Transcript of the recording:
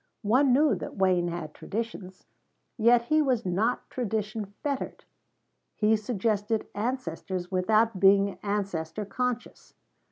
One knew that Wayne had traditions, yet he was not tradition fettered; he suggested ancestors without being ancestor conscious.